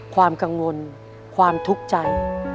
ความกังวลความทุกข์ใจ